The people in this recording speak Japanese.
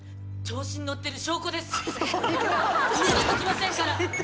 「調子に乗ってる証拠です」